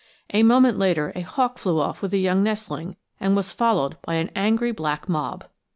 A moment later a hawk flew off with a young nestling, and was followed by an angry black mob.